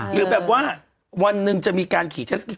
หรือแบบว่าวันหนึ่งจะมีการขี่เทศกิจ